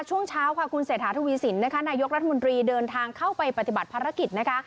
ช่วงเช้าค่ะคุณเศรษฐาทวีสินนะคะนายกรัฐมนตรีเดินทางเข้าไปปฏิบัติภารกิจนะคะ